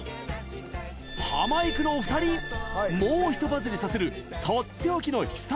ハマいくのお二人もうひとバズりさせるとっておきの秘策